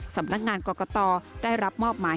สำนักงานกรกตได้รับมอบหมาย